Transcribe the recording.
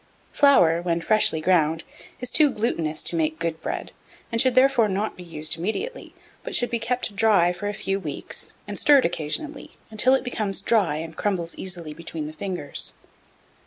1689. Flour, when freshly ground, is too glutinous to make good bread, and should therefore not be used immediately, but should be kept dry for a few weeks, and stirred occasionally, until it becomes dry, and crumbles easily between the fingers.